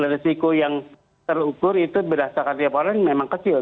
risiko yang terukur itu berdasarkan tiap orang memang kecil